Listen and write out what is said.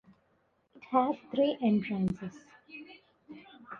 It has three entrances.